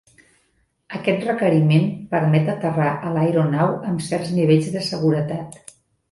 Aquest requeriment permet aterrar a l'aeronau amb certs nivells de seguretat.